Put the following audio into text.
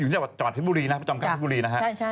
อยู่ตั้งแต่จากประจอมการพิบุรีนะครับ